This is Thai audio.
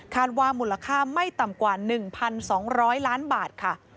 ว่ามูลค่าไม่ต่ำกว่า๑๒๐๐ล้านบาทค่ะ